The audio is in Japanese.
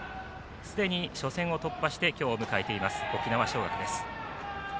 すでに初戦を突破して今日を迎えています沖縄尚学です。